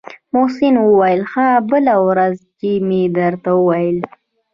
محسن وويل ها بله ورځ چې مې درته وويل.